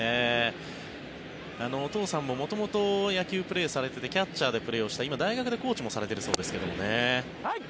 お父さんも元々、野球をプレーされていてキャッチャーでプレーをして今、大学でコーチをされているそうですけどね。